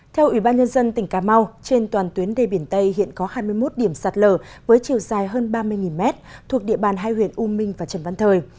theo ủy ban nhân dân tỉnh cà mau trên toàn tuyến đê biển tây hiện có hai mươi một điểm sạt lở với chiều dài hơn ba mươi mét thuộc địa bàn hai huyện u minh và trần văn thời